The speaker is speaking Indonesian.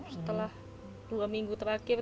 setelah dua minggu terakhir